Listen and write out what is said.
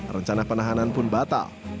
rencana penahanan pun batal